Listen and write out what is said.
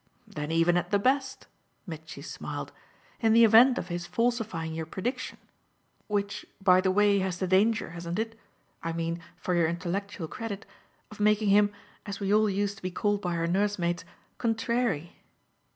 "Then even at the best," Mitchy smiled. "In the event of his falsifying your prediction; which, by the way, has the danger, hasn't it? I mean for your intellectual credit of making him, as we all used to be called by our nursemaids, 'contrairy.